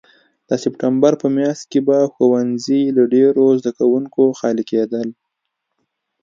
د سپټمبر په میاشت کې به ښوونځي له ډېرو زده کوونکو خالي کېدل.